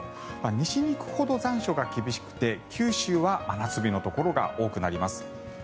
西に行くほど残暑が厳しくて九州は真夏日のところが多くなります。